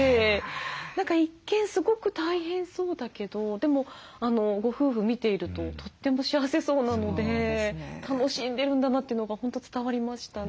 何か一見すごく大変そうだけどでもご夫婦見ているととっても幸せそうなので楽しんでるんだなというのが本当伝わりましたね。